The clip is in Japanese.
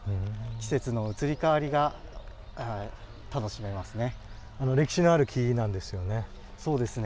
季節の移り変わりが楽しめますね。